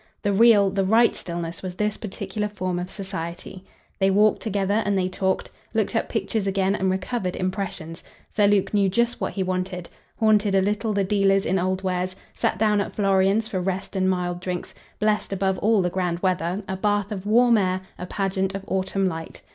The real, the right stillness was this particular form of society. They walked together and they talked, looked up pictures again and recovered impressions Sir Luke knew just what he wanted; haunted a little the dealers in old wares; sat down at Florian's for rest and mild drinks; blessed above all the grand weather, a bath of warm air, a pageant of autumn light.